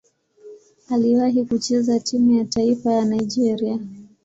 Aliwahi kucheza timu ya taifa ya Nigeria.